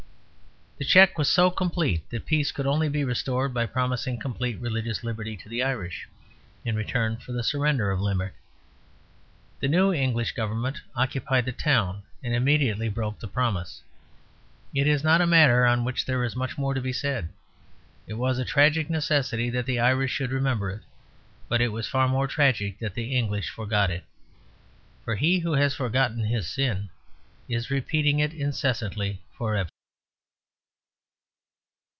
The check was so complete that peace could only be restored by promising complete religious liberty to the Irish, in return for the surrender of Limerick. The new English Government occupied the town and immediately broke the promise. It is not a matter on which there is much more to be said. It was a tragic necessity that the Irish should remember it; but it was far more tragic that the English forgot it. For he who has forgotten his sin is repeating it incessantly for ever.